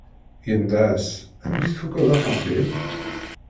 Yendeh-as: Amek tfukeḍ axeddim?